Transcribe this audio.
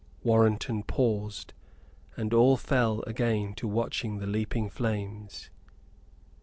Warrenton paused, and all fell again to watching the leaping flames.